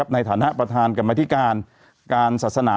ในฐานะประธานกรรมนิการ